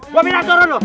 gua pindah turun loh